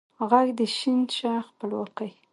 ږغ د ې شین شه خپلواکۍ